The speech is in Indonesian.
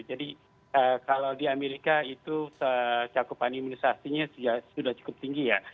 jadi kalau di amerika itu cakupan imunisasinya sudah cukup tinggi ya